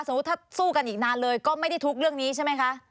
ถ้าสู้กันอีกนานเลยก็ไม่ได้ทุกข์เรื่องนี้ใช่ไหมคะ